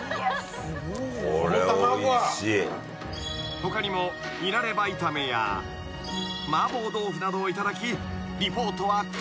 ［他にもニラレバ炒めや麻婆豆腐などをいただきリポートは佳境に］